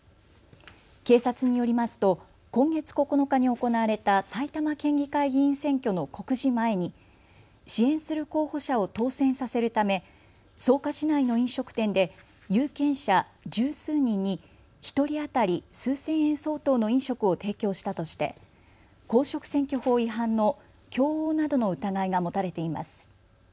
警察によりますと今月９日に行われた埼玉県議会議員選挙の告示前に支援する候補者を当選させるため草加市内の飲食店で有権者十数人に１人当たり数千円相当の飲食を提供したとして公職選挙法違反の供応などの疑いが持たれています。